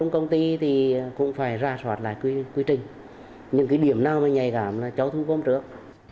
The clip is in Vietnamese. công ty cũng phải ra soát lại quy trình những điểm nào nhạy cảm là cháu thu gom trước